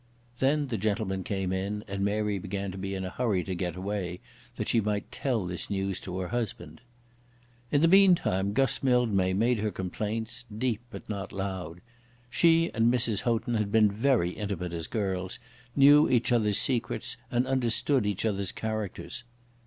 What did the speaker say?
Then the gentlemen came in, and Mary began to be in a hurry to get away that she might tell this news to her husband. In the meantime Guss Mildmay made her complaints, deep but not loud. She and Mrs. Houghton had been very intimate as girls, knew each other's secrets, and understood each other's characters.